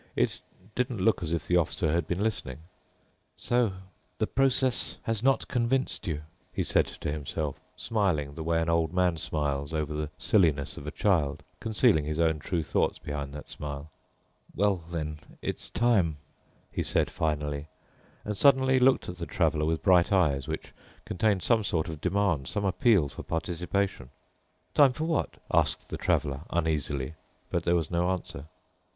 It didn't look as if the Officer had been listening. "So the process has not convinced you," he said to himself, smiling the way an old man smiles over the silliness of a child, concealing his own true thoughts behind that smile. "Well then, it's time," he said finally and suddenly looked at the Traveler with bright eyes which contained some sort of demand, some appeal for participation. "Time for what?" asked the Traveler uneasily. But there was no answer.